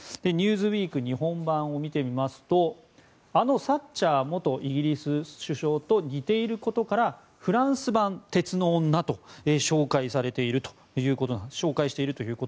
「ニューズウィーク日本版」を見てみますとあのサッチャー元イギリス首相と似ていることからフランス版・鉄の女と紹介しているということです。